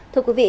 thưa quý vị